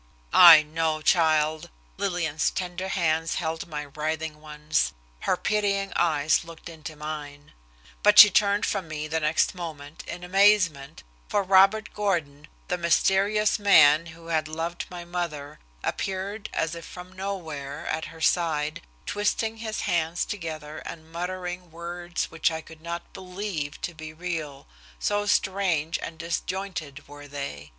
"I know, child." Lillian's tender hands held my writhing ones, her pitying eyes looked into mine; but she turned from me the next moment in amazement, for Robert Gordon, the mysterious man who had loved my mother, appeared, as if from nowhere, at her side, twisting his hands together and muttering words which I could not believe to be real, so strange and disjointed were they.